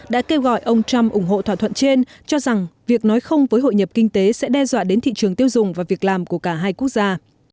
đã kêu gọi ông trump ủng hộ thỏa thuận trên cho rằng việc nói không với hội nhập kinh tế sẽ đe dọa đến thị trường tiêu dùng và việc làm của cả hai quốc gia